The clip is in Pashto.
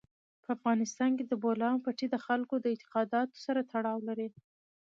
په افغانستان کې د بولان پټي د خلکو د اعتقاداتو سره تړاو لري.